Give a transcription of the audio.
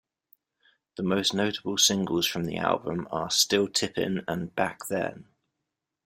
The most notable singles from the album are "Still Tippin'" and "Back Then".